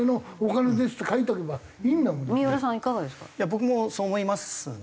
僕もそう思いますね。